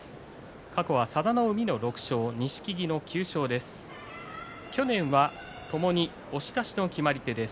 過去は佐田の海の６勝錦木の９勝です。